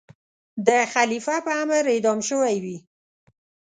د خلیفه په امر اعدام شوی وي.